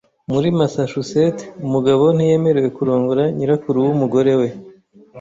Muri Massachusetts, umugabo ntiyemerewe kurongora nyirakuru w'umugore we.